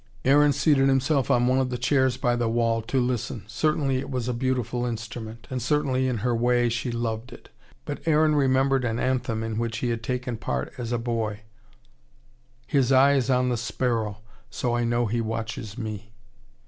Aaron seated himself on one of the chairs by the wall, to listen. Certainly it was a beautiful instrument. And certainly, in her way, she loved it. But Aaron remembered an anthem in which he had taken part as a boy. His eye is on the sparrow So I know He watches me.